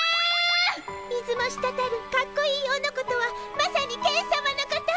水もしたたるかっこいいオノコとはまさにケンさまのこと。